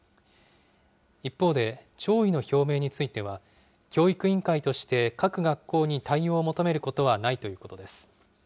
一方で、弔意の表明については、教育委員会として各学校に対応を求めることはないということです。